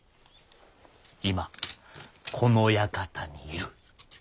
今この館にいる。